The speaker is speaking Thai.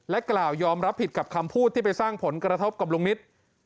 กล่าวยอมรับผิดกับคำพูดที่ไปสร้างผลกระทบกับลุงนิต